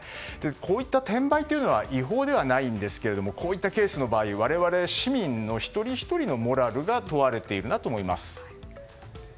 こういった転売というのは違法ではないんですけれどもこうしたケースの場合は我々、市民の一人ひとりのモラルが問われているなと思います。